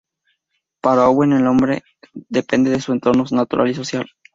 Para Owen, el hombre depende de su entorno natural y social.